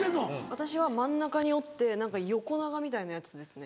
私は真ん中に折って横長みたいなやつですね。